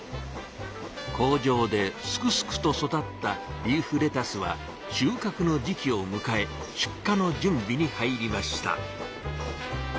工場ですくすくと育ったリーフレタスは収穫の時期をむかえ出荷のじゅんびに入りました。